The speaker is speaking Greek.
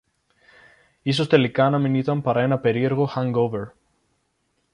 Ίσως τελικά να μην ήταν παρά ένα περίεργο hangover